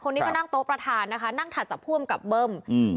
คนนี้ก็นั่งโต๊ะประธานนะคะนั่งถัดจากผู้อำกับเบิ้มอืม